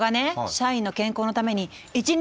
社員の健康のために１日